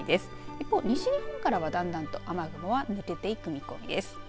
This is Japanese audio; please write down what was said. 一方、西日本からはだんだんと雨雲は抜けていく見込みです。